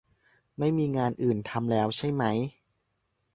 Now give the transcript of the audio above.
ไม่มีงานอื่นทำแล้วใช่มั้ย